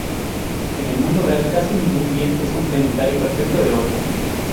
En el mundo real casi ningún bien es complementario perfecto de otro.